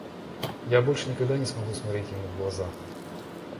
Я больше никогда не смогу смотреть ему в глаза.